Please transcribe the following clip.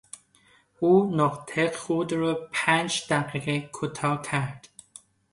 او نطق خود را پنج دقیقه کوتاه کرد.